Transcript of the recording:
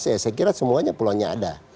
saya kira semuanya pulaunya ada